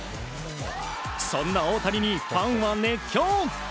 そんな大谷にファンは熱狂。